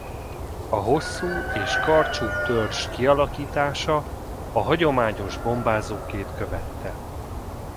A hosszú és karcsú törzs kialakítása a hagyományos bombázókét követte.